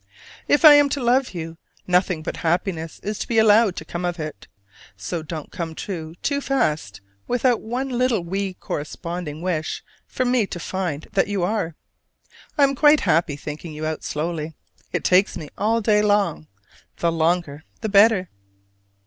If I am to love you, nothing but happiness is to be allowed to come of it. So don't come true too fast without one little wee corresponding wish for me to find that you are! I am quite happy thinking you out slowly: it takes me all day long; the longer the better!